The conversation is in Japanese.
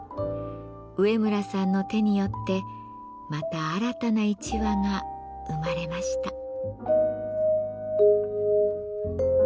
上村さんの手によってまた新たな一羽が生まれました。